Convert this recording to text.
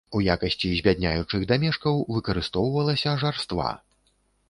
У якасці збядняючых дамешкаў выкарыстоўвалася жарства.